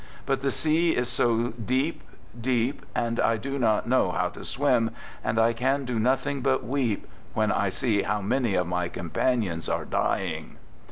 But the sea is so deep, deep, and I do not know how to swim, and I can do nothing but weep, when I see how many of my companions are dying.